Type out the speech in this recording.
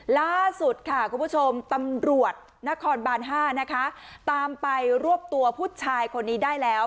ล่าสุดค่ะคุณผู้ชมตำรวจนครบาน๕นะคะตามไปรวบตัวผู้ชายคนนี้ได้แล้ว